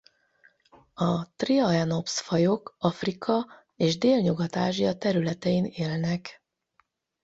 A Triaenops-fajok Afrika és Délnyugat-Ázsia területein élnek.